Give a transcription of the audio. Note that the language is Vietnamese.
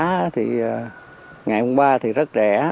cái giá thì ngày hôm qua thì rất rẻ